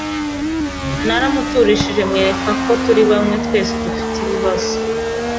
naramuturishije mwereka ko turi bamwe twese dufite ibibazo